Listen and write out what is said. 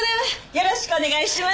よろしくお願いします！